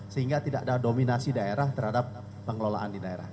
sehingga tidak ada dominasi daerah terhadap pengelolaan di daerah